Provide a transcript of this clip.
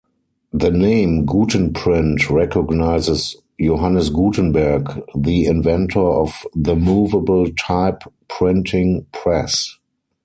The name Gutenprint recognizes Johannes Gutenberg, the inventor of the movable type printing press.